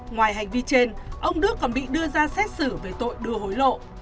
ngoài hành vi trên ông đức còn bị đưa ra xét xử về tội đưa hối lộ